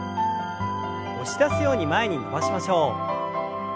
押し出すように前に伸ばしましょう。